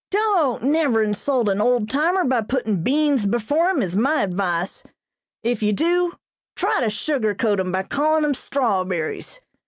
Don't never insult an old timer by puttin' beans before him, is my advice if you do try to sugar coat 'em by calling 'em strawberries!"